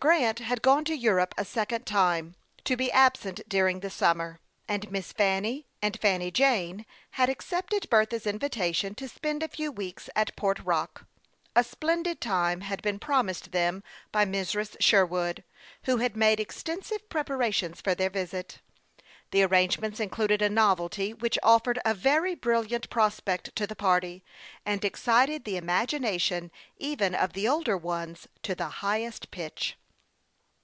Grant had gone to Europe a second time, to be absent during the summer, and Miss Fanny and Fanny Jane had accepted Bertha's invitation to spend a few weeks at Port Rock. A splendid time had been promised them by Mrs. Sherwood, who had made extensive preparations for their visit. The arrangements included a novelty which offered a very brilliant prospect to the party, and excited the imagination even of the older ones to the highest pitch.